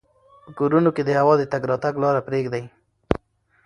په کورونو کې د هوا د تګ راتګ لاره پریږدئ.